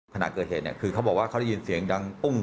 ขณะเกิดเหตุเนี่ยคือเขาบอกว่าเขาได้ยินเสียงดังตุ้ง